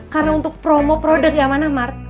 karena untuk promo produk di amanah mart